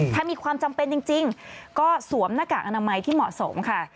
ถ้ามีความจำเป็นจริงก็สวมหน้ากากอนามัยที่เหมาะสมค่ะ